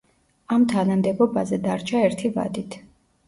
ამ თანამდებობაზე დარჩა ერთი ვადით.